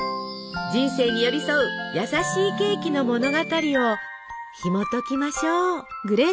人生に寄り添う優しいケーキの物語をひもときましょう。